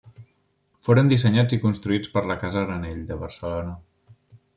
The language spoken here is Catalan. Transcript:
Foren dissenyats i construïts per la casa Granell, de Barcelona.